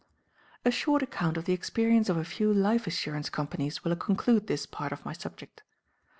A short account of the experience of a few life assurance companies will conclude this part of my subject.